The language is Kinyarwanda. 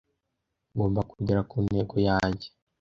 Ngomba kugera ku ntego yanjye